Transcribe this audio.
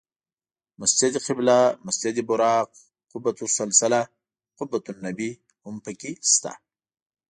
مسجد قبله، مسجد براق، قبة السلسله، قبة النبی هم په کې شته.